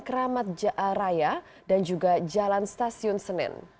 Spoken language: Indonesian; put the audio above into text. selamat raya dan juga jalan stasiun senin